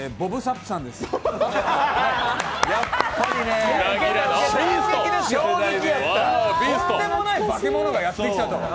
とんでもない化け物がやってきたと。